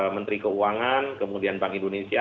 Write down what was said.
menteri keuangan kemudian bank indonesia